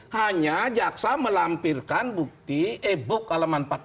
hanya jaksa melampirkan bukti e book halaman empat puluh